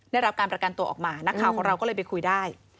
ได้รับการประกันตัวออกมานักข่าวของเราก็เลยไปคุยได้